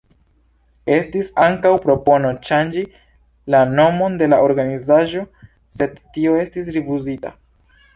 Estis ankaŭ propono ŝanĝi la nomon de la organizaĵo, sed tio estis rifuzita.